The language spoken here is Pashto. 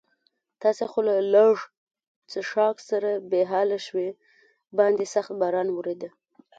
تاسې خو له لږ څښاک سره بې حاله شوي، باندې سخت باران ورېده.